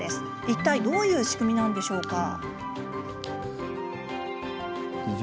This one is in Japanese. いったい、どういう仕組みなんでしょうか？